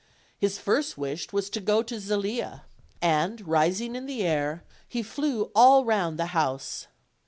His first wish was to go to Zelia, and, rising in the air, he flew all round the house.